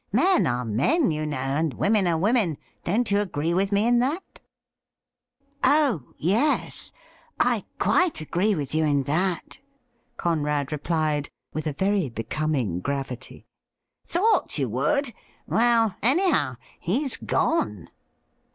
Men are men, you know, and women are women — don't you agree with me in that T ' Oh yes, I quite agree with you in that,' Conrad replied, with a very becoming gravity. ' Thought you would. Well, anyhow, he's gone.'